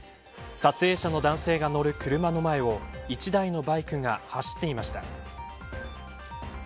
撮影者の男性が乗る車の前を１台のバイクが走っていました。